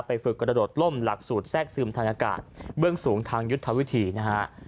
ฝึกกระโดดล่มหลักสูตรแทรกซึมทางอากาศเบื้องสูงทางยุทธวิธีนะฮะ